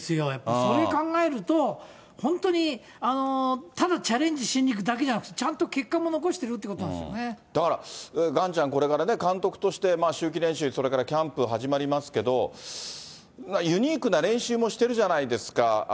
それ考えると、本当にただチャレンジしに行くだけじゃなくて、ちゃんと結果も残してるってことなだから、ガンちゃん、これから監督として練習、キャンプ始まりますけど、ユニークな練習もしてるじゃないですか。